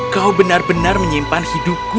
kau benar benar menyimpan hidupku